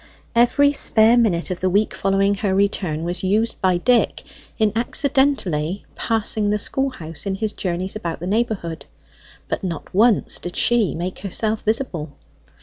Every spare minute of the week following her return was used by Dick in accidentally passing the schoolhouse in his journeys about the neighbourhood; but not once did she make herself visible.